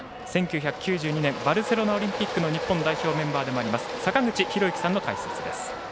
１９９２年バルセロナオリンピックの日本代表メンバーでもあります坂口裕之さんの解説です。